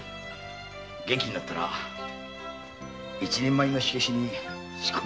元気になったら一人前の火消しに仕込みますよ。